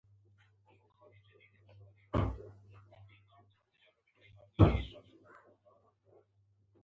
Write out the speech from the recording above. آیا موږ حساب ورکوو؟